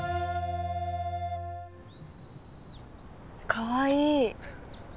かわいい！